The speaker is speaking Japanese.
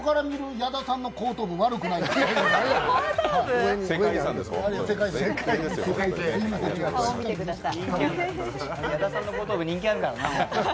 矢田さんの後頭部、人気あるからな。